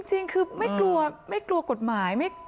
จริงคือไม่กลัวกฎหมาย